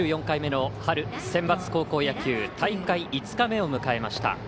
９４回目の春センバツ高校野球大会５日目を迎えました。